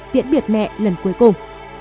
tiễn biệt mẹ lần cuối cùng